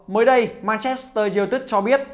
mới đây manchester united cho biết